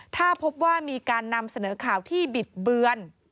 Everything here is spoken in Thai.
ถ้าพบว่ามีการนำเสนอข่าวที่บิดเบือน